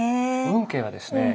運慶はですね